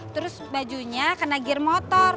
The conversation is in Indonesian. terus bajunya kena gear motor